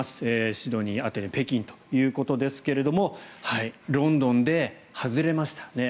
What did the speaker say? シドニー、アテネ北京ということですがロンドンで外れました。